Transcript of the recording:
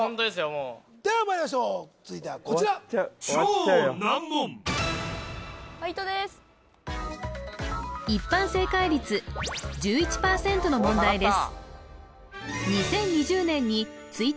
もうではまいりましょう続いてはこちら終わっちゃうよ・ファイトでーす一般正解率１１％の問題です